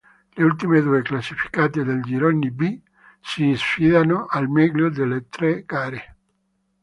Le ultime due classificate del Girone B si sfidano al meglio delle tre gare.